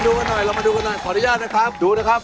เดี๋ยวเรามาดูกันหน่อยขออนุญาตนะครับ